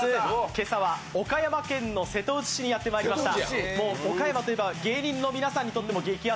今朝は岡山県の瀬戸内市にやってまいりました